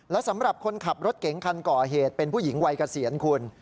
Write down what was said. และสำหรับคนขับรถเก๋งคันก่อเหตุเป็นผู้หญิงวัยเกษียณคุณ